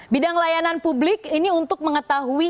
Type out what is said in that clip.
bidang layanan publik ini untuk mengetahui